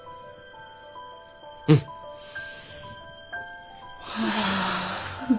うん！はあ。